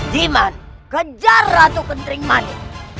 ji man kejar ratu kentering mani